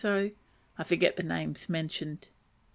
(I forget the names mentioned.)